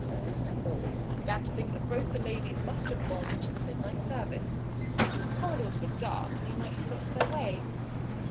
Sister Paul began to think that both the ladies must have gone to the midnight service. The corridors were dark and they might have lost their way.